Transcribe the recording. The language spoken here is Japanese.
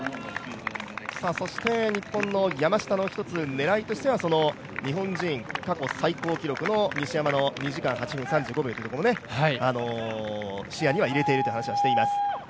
そして日本の山下の狙いとしては一つ日本人過去最高記録の西山の２時間２分３５秒というところも視野に入れてるという話はしています。